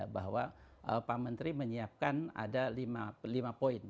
bahwa pak menteri menyiapkan ada lima poin